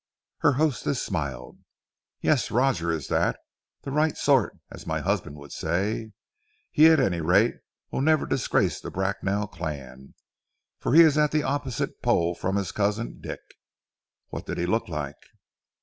Her hostess smiled. "Yes, Roger is that the right sort, as my husband would say. He, at any rate, will never disgrace the Bracknell clan, for he is at the opposite pole from his cousin Dick. What did he look like?"